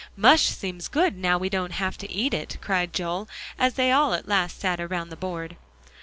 "Mush seems good now we don't have to eat it," cried Joel, as they all at last sat around the board.